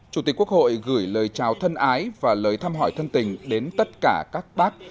chủ tịch quốc hội gửi lời chào thân ái và lời thăm hỏi thân tình đến tất cả các bác